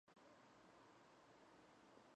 პტიშის მყინვარიდან გამოდის მდინარე სამხრეთი პტიში.